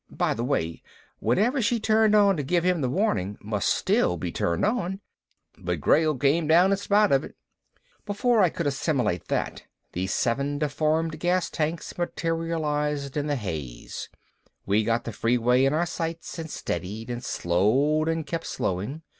By the way, whatever she turned on to give him the warning must still be turned on. But Grayl came on down in spite of it." Before I could assimilate that, the seven deformed gas tanks materialized in the haze. We got the freeway in our sights and steadied and slowed and kept slowing.